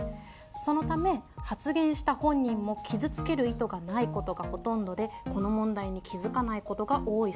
そのため発言した本人も傷つける意図がないことがほとんどでこの問題に気付かないことが多いそうです。